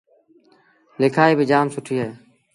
ليکآئيٚ با جآم سُٺيٚ اهي